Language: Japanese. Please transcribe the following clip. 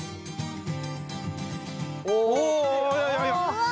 うわ。